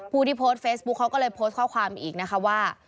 ผู้ที่โพสต์เฟซบุ๊คเขาก็เลยโพสต์ข้อความอีกนะคะว่า